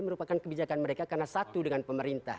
merupakan kebijakan mereka karena satu dengan pemerintah